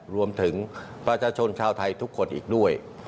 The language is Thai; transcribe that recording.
รวมถึงประชาชนชาวไทยทุกคนอีกด้วย